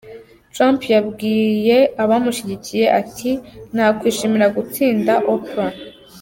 Trump yabwiye abamushyigikiye ati “Nakwishimira gutsinda Oprah.